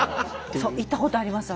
行ったことあります